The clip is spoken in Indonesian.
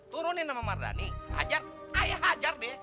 turunin sama mardhani ajar ayo hajar be